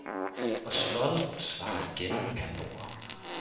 og slottet svarer igen med kanoner.